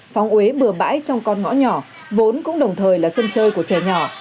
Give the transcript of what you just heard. phòng uế bừa bãi trong con ngõ nhỏ vốn cũng đồng thời là sân chơi của trời nhỏ